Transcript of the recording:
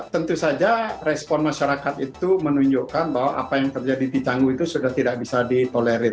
tentu saja respon masyarakat itu menunjukkan bahwa apa yang terjadi di canggu itu sudah tidak bisa ditolerir